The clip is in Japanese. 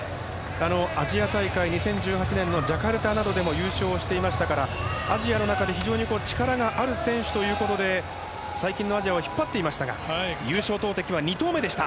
アジア大会２０１８年のジャカルタなどでも優勝していましたからアジアの中で非常に力のある選手ということで最近のアジアを引っ張っていましたが優勝投てきは２回目でした。